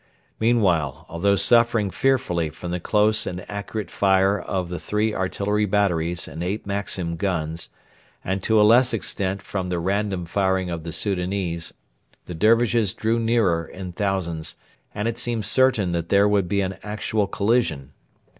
Meanwhile, although suffering fearfully from the close and accurate fire of the three artillery batteries and eight Maxim guns, and to a less extent from the random firing of the Soudanese, the Dervishes drew nearer in thousands, and it seemed certain that there would be an actual collision.